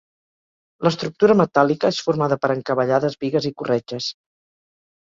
L'estructura metàl·lica és formada per encavallades, bigues i corretges.